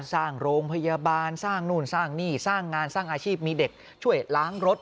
สร้างโรงพยาบาลสร้างนู่นสร้างนี่สร้างงานสร้างอาชีพมีเด็กช่วยล้างรถ